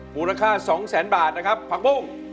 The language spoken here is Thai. บุราคา๒๐๐๐๐๐บาทนะครับ